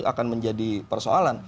akan menjadi persoalan